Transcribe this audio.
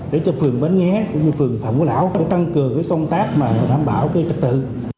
để cho phường bến nghé cũng như phường phạm quốc lão tăng cường công tác và đảm bảo trực tự